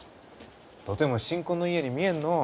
とても新婚の家に見えんのう。